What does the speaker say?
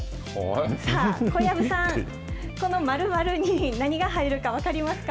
さあ、小籔さん、この〇〇に何が入るか、分かりますか？